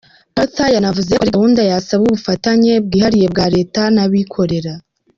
Partha yanavuze ko ari gahunda yasaba ubufatanye bwihariye bwa leta n’abikorera.